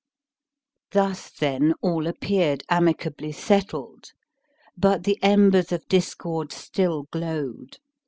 Thus, then, all appeared amicably settled. But the embers of discord still glowed.